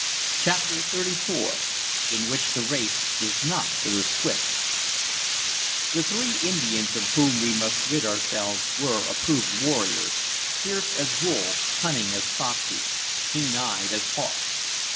CHAPTER XXXIV IN WHICH THE RACE IS NOT TO THE SWIFT THE three Indians of whom we must rid ourselves were approved warriors, fierce as wolves, cunning as foxes, keen eyed as hawks.